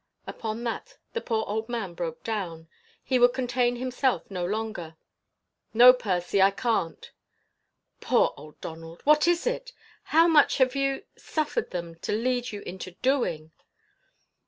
Upon that the poor man broke down. He could contain himself no longer. "No, Percy! I can't!" "Poor old Donald! What is it? How much have you suffered them to lead you into doing?"